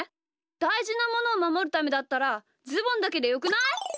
だいじなものをまもるためだったらズボンだけでよくない？